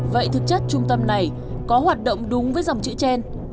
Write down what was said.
vậy thực chất trung tâm này có hoạt động đúng với dòng chữ trên